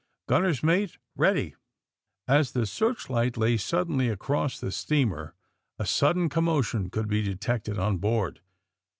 Gunner's mate, ready !'^ As the searchlight lay suddenly across the steamer a sudden commotion could be detected on board.